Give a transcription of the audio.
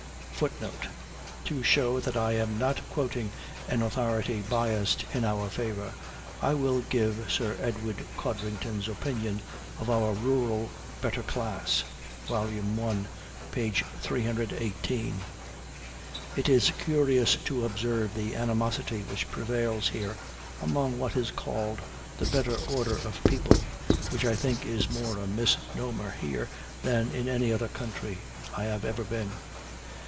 [Footnote: To show that I am not quoting an authority biassed in our favor I will give Sir Edward Codrington's opinion of our rural better class (i, 318). "It is curious to observe the animosity which prevails here among what is called the better order of people, which I think is more a misnomer here than in any other country I have ever been.